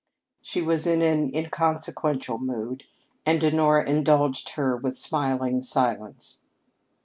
She was in an inconsequential mood, and Honora indulged her with smiling silence.